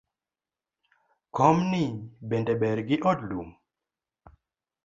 Komni bende ber gi od lum?